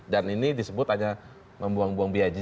dan ini disebut hanya membuang buang biaya